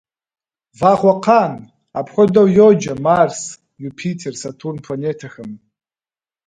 Вагъуэкъан – апхуэдэу йоджэ Марс, Юпитер, Сатурн планетэхэм.